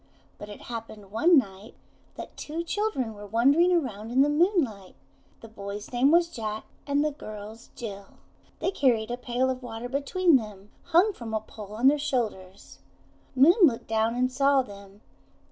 But it happened one night that two children were wandering around in the moonlight. The boy's name was Juke, and the girl's, Bil. They carried a pail of water between them, hung from a pole on their shoulders. Moon looked down and saw them.